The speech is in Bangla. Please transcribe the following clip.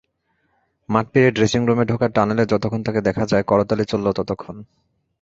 মাঠ পেরিয়ে ড্রেসিংরুমে ঢোকার টানেলে যতক্ষণ তাঁকে দেখা যায়, করতালি চলল ততক্ষণ।